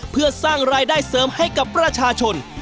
เพื่อสร้างรายได้เสริมให้กับประชาชน